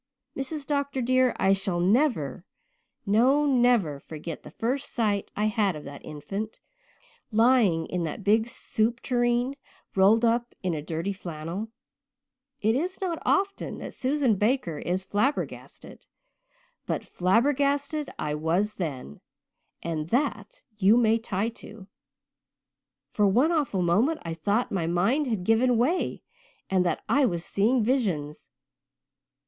Mrs. Dr. dear, I shall never, no never, forget the first sight I had of that infant, lying in that big soup tureen, rolled up in dirty flannel. It is not often that Susan Baker is flabbergasted, but flabbergasted I was then, and that you may tie to. For one awful moment I thought my mind had given way and that I was seeing visions.